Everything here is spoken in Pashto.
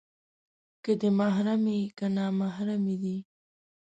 که دې محرمې، که نامحرمې دي